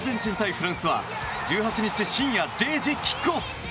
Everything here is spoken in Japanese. フランスは１８日深夜０時キックオフ。